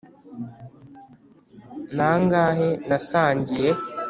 nangahe nasangiye,